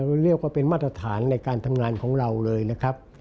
เรียกว่าเป็นมาตรฐานในการทำงานของเราเลยนะครับ